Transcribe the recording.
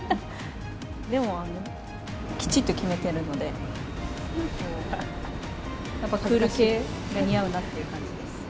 でも、きちっと決めてるので、やっぱクール系が似合うなって感じです。